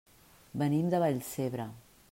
Venim de Vallcebre.